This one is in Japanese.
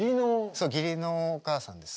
そう義理のお母さんです。